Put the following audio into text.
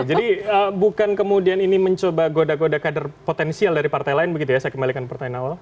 jadi bukan kemudian ini mencoba goda goda kader potensial dari partai lain begitu ya saya kembalikan pertanyaan awal